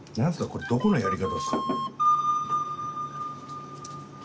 これどこのやり方ですか？